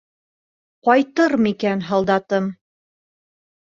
Ҡайтыр микән һалдатым.